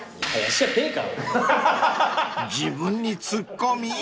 ［自分にツッコミ？］